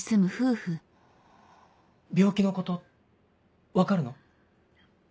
病気のこと分かるの？